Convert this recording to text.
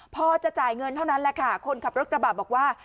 พอจะจ่ายเงินเท่านั้นแหละค่ะคนขับรถกระบะบอกว่า